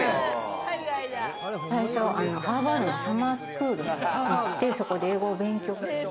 最初、ハーバードのサマースクールで、そこで英語を勉強して。